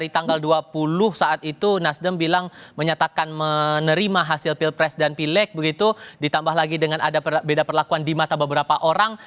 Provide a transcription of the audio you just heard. di tanggal dua puluh saat itu nasdem bilang menyatakan menerima hasil pilpres dan pilek begitu ditambah lagi dengan ada beda perlakuan di mata beberapa orang